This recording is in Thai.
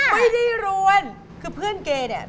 วันนี้รวนคือเพื่อนเก่ยเนี่ย